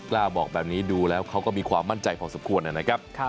กล้าบอกแบบนี้ดูแล้วเขาก็มีความมั่นใจพอสมควรนะครับ